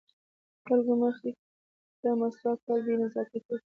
د خلکو مخې ته مسواک وهل بې نزاکتي ده.